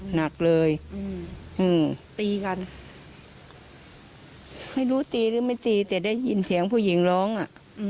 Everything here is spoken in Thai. หนักเลยอืมตีกันไม่รู้ตีหรือไม่ตีแต่ได้ยินเสียงผู้หญิงร้องอ่ะ